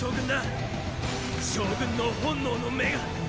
将軍の本能の目がっ！